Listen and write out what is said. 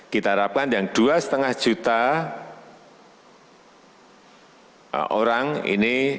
kita harapkan yang dua lima juta orang ini